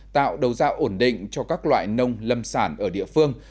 tạo đầu ra ổn định cho các loại nông lâm sản ở địa phương